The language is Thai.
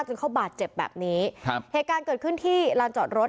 จนเขาบาดเจ็บแบบนี้ครับเหตุการณ์เกิดขึ้นที่ลานจอดรถ